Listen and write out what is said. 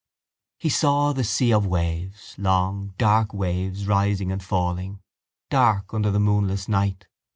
He saw the sea of waves, long dark waves rising and falling, dark under the moonless night.